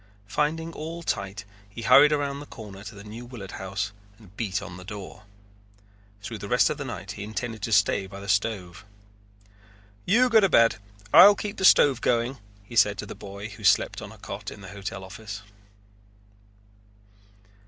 Finding all tight he hurried around the corner to the New Willard House and beat on the door. Through the rest of the night he intended to stay by the stove. "You go to bed. I'll keep the stove going," he said to the boy who slept on a cot in the hotel office.